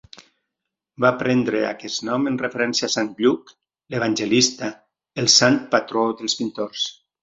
Van prendre aquest nom en referència a Sant Lluc l'evangelista, el sant patró dels pintors.